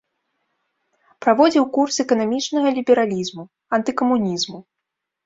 Праводзіў курс эканамічнага лібералізму, антыкамунізму.